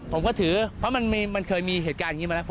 ผมก็ถือเพราะมันเคยมีเหตุการณ์อย่างนี้มาแล้ว